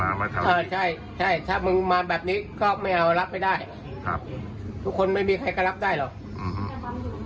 มาทำเออใช่ใช่ถ้ามึงมาแบบนี้ก็ไม่เอารับไม่ได้ครับทุกคนไม่มีใครก็รับได้หรอกอืม